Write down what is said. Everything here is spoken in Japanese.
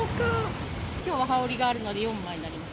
きょうは羽織があるので４枚になります。